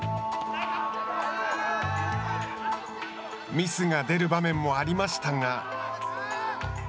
ミスが出る場面もありましたが。